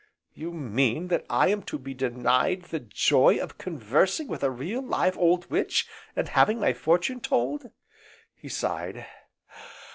"You mean that I am to be denied the joy of conversing with a real, live, old witch, and having my fortune told?" he sighed.